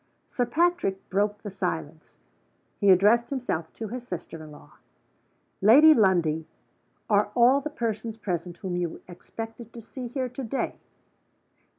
Sir Patrick broke the silence. He addressed himself to his sister in law. "Lady Lundie, are all the persons present whom you expected to see here to day?"